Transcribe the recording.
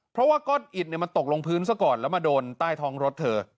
เพราะว่าก้อนอิดมันตกลงพื้นซะก่อนแล้วมาโดนใต้ท้องรถเธอ